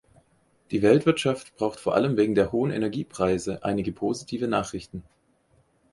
Die Weltwirtschaft braucht vor allem wegen der hohen Energiepreise einige positive Nachrichten.